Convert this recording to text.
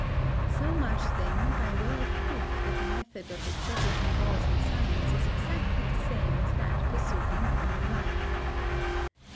So much, then, by way of proof that the method of establishing laws in science is exactly the same as that pursued in common life.